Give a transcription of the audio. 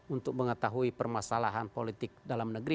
untuk mengetahui permasalahan politik dalam negeri